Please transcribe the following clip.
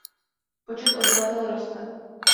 Počet obyvatel roste.